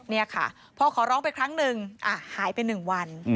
เนี่ยค่ะพอขอร้องไปครั้งนึงหายไปหนึ่งวัน